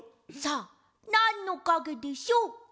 さあなんのかげでしょう？